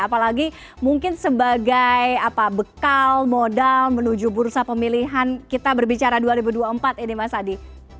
apalagi mungkin sebagai bekal modal menuju bursa pemilihan kita berbicara dua ribu dua puluh empat ini mas adi